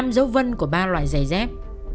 năm dấu vân của ba loại giày dép